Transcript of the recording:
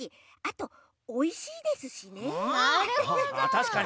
たしかに！